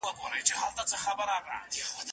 چي مي په کلیو کي بلا لنګه سي